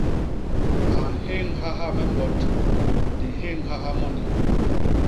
A nhéñhaha me mbot; di nhéñhaha moni.